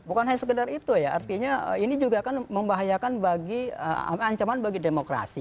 bukan hanya sekedar itu ya artinya ini juga akan membahayakan bagi ancaman bagi demokrasi